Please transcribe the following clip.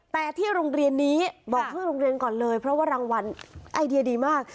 แต่ที่โรงเรียนนี้บอกชื่อโรงเรียนก่อนเลยเพราะว่ารางวัลไอเดียดีมาก